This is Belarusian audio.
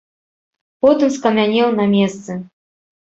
Потым скамянеў на месцы.